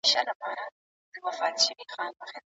په تدبر سره د يوسف سورت ويل انسان ته صبر او تقوا ښيي.